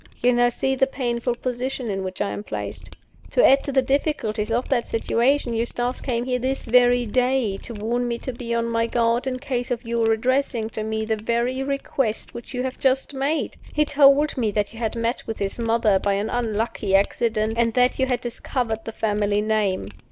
You now see the painful position in which I am placed. To add to the difficulties of that situation, Eustace came here this very day to warn me to be on my guard, in case of your addressing to me the very request which you have just made! He told me that you had met with his mother, by an unlucky accident, and that you had discovered the family name.